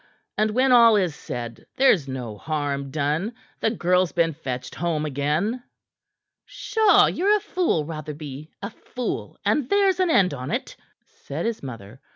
And when all is said, there's no harm done. The girl's been fetched home again." "Pshaw! Ye're a fool, Rotherby a fool, and there's an end on't," said his mother.